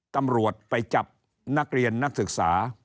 ตำรวจไปจับนักเรียนนักศึกษา